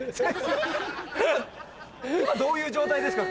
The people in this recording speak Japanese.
どういう状態ですか？